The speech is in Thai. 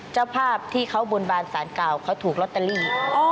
เจ้าภาพที่เขาบนบานสารเก่าเขาถูกลอตเตอรี่